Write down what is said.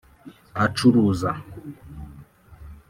acuruza